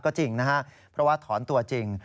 ก็จริงนะครับเพราะว่าถอนตัวจริง